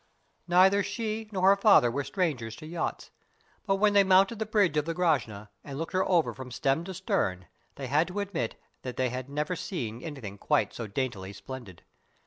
Neither she nor her father were strangers to yachts, but when they mounted the bridge of the Grashna and looked over her from stem to stern, they had to admit that they had never seen anything quite so daintily splendid.